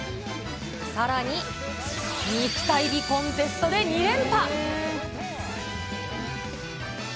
さらに、肉体美コンテストで２連覇。